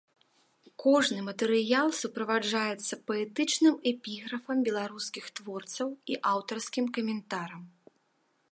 Кожны матэрыял суправаджаецца паэтычным эпіграфам беларускіх творцаў і аўтарскім каментарам.